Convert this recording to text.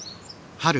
春。